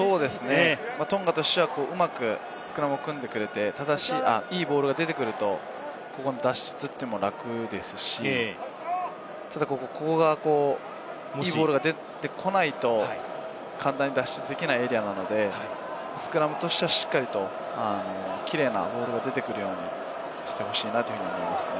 トンガとしては、うまくスクラムを組んでくれて、いいボールが出てくると、脱出も楽ですし、ただ、ここで、いいボールが出てこないと簡単に脱出できないエリアなので、スクラムとしてはしっかりとキレイなボールが出てくるようにしてほしいなというふうに思いますね。